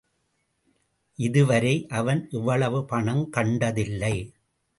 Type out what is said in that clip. இதுவரை அவன் இவ்வளவு பணம் கண்டதில்லை.